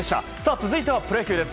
続いてはプロ野球です。